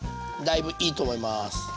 だいぶいいと思います。